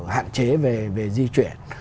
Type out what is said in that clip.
hạn chế về di chuyển